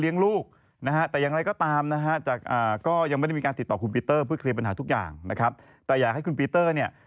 มีนาคมยังไม่ได้ถึงโทษที